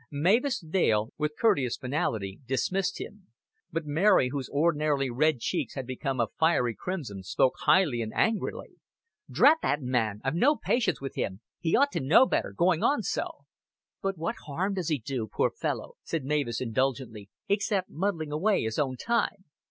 Mavis Dale with courteous finality dismissed him; but Mary, whose ordinarily red cheeks had become a fiery crimson, spoke hotly and angrily. "Drat the man. I've no patience with him. He ought to know better, going on so." "But what harm does he do, poor fellow," said Mavis, indulgently, "except muddling away his own time?"